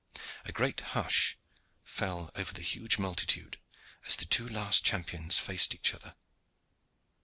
A great hush fell over the huge multitude as the two last champions faced each other.